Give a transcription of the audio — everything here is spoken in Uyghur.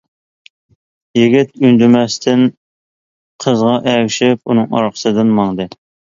يىگىت ئۈندىمەستىن قىزغا ئەگىشىپ ئۇنىڭ ئارقىسىدىن ماڭدى.